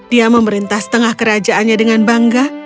dia memerintah setengah kerajaannya dengan bangga